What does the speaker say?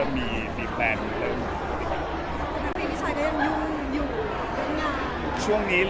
คิดกันอยู่ว่าอาจจะเป็นปีหน้าก็อาจจะเริ่มมีแฟน